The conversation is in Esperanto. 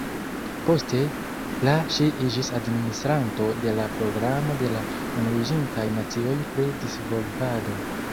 Poste, la ŝi iĝis administranto de la Programo de la Unuiĝintaj Nacioj pri Disvolvado.